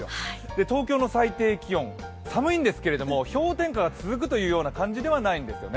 東京の最低気温、寒いんですけれども、氷点下が続くという感じではないんですよね。